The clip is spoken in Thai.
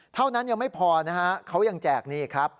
เท่านั้นยังไม่พอนะฮะเขายังแจกนี่ครับ